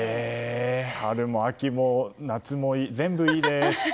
春も秋も、夏も全部いいです！